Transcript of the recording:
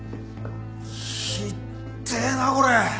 ひっでえなこれ